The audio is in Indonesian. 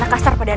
lagi mulai duung